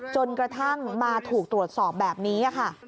จนกระทั่งมาถูกตรวจสอบแบบนี้ค่ะ